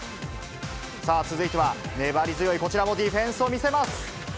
さあ、続いては粘り強いこちらもディフェンスを見せます。